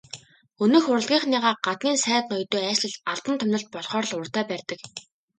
Өнөөх урлагийнхныгаа гаднын сайд ноёдын айлчлал, албан томилолт болохоор л урдаа барьдаг.